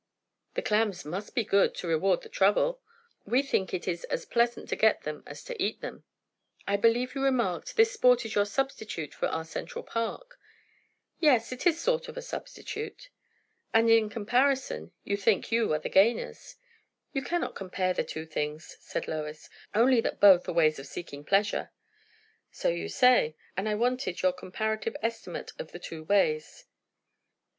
"The clams must be good, to reward the trouble?" "We think it is as pleasant to get them as to eat them." "I believe you remarked, this sport is your substitute for our Central Park?" "Yes, it is a sort of a substitute." "And, in the comparison, you think you are the gainers?" "You cannot compare the two things," said Lois; "only that both are ways of seeking pleasure." "So you say; and I wanted your comparative estimate of the two ways."